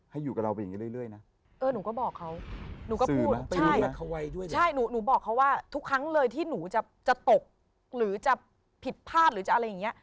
หนูก็พูดใช่หนูบอกเขาว่าทุกครั้งเลยที่หนูจะตกหรือจะผิดพลาดหรือจะอะไรอย่างเงี้ย